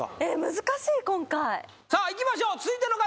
難しい今回さあいきましょう続いての方